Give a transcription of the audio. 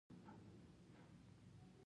بوټونه که پاک وي، د انسان شخصیت ښيي.